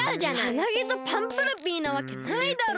ハナゲとパンプルピーなわけないだろ！